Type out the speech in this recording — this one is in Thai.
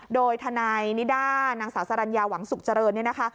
โดยทนายนิด้านังศาสรรรรณยาหวังศุกร์เจริญเนี่ยนะคะ